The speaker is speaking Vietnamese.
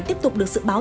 tiếp tục được sự báo